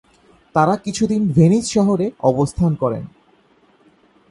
তারা কিছুদিন ভেনিস শহরে অবস্থান করেন।